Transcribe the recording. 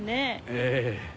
ええ。